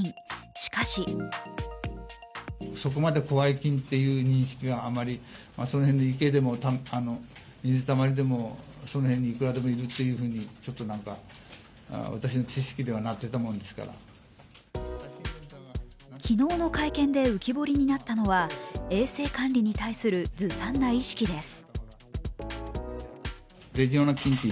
しかし昨日の会見で浮き彫りになったのは、衛生管理に対する、ずさんな意識です。